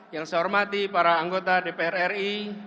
yang saya hormati para anggota dpr ri